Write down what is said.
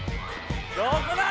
どこだ？